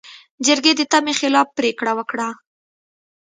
جرګې د تمې خلاف پرېکړه وکړه.